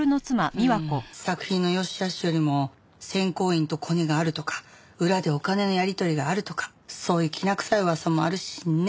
作品の良しあしよりも選考委員とコネがあるとか裏でお金のやり取りがあるとかそういうきな臭い噂もあるしねっ。